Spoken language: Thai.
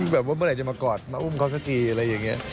แบบว่าเมื่อไหร่จะมากอดมาอุ้มเขาสักทีอะไรอย่างนี้